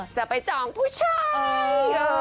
จะไปจองผู้ชาย